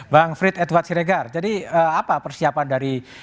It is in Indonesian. bang frits edward siregar jadi apa persiapan dari